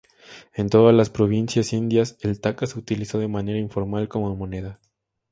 En todas las provincias indias el taka se utilizó de manera informal como moneda.